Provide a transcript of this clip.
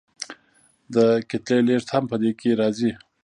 د کتلې لیږد هم په دې کې راځي.